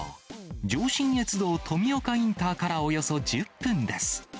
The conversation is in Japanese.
上信越道富岡インターからおよそ１０分です。